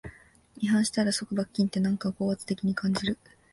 違反したら即罰金って、なんか高圧的に感じる